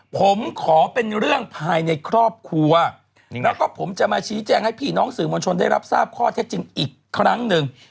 ผมขอเป็นเรื่องภายในครอบครัวแล้วก็ผมจะมาชี้แจงให้พี่น้องสื่อมวลชนได้รับทราบข้อเท็จจริงอีกครั้งหนึ่ง